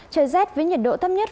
trời rét với nhiệt độ thấp nhất